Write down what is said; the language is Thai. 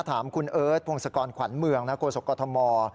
ถามคุณเอิร์ทพวงศกรขวัญเมืองโกศกธม